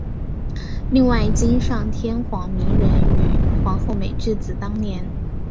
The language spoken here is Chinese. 另外今上天皇明仁与皇后美智子当年。